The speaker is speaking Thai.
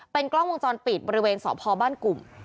เป็นกล้องวงจรปิดบริเวณสอบภอบ้านกลุ่ม